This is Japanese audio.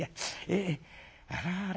えあらあら